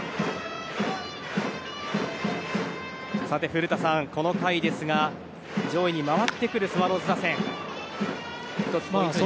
古田さん、この回ですが上位に回ってくるスワローズ打線。